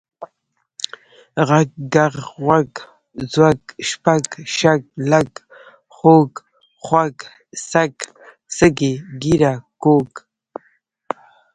غږ، ږغ، غوَږ، ځوږ، شپږ، شږ، لږ، خوږ، خُوږ، سږ، سږی، ږېره، کوږ،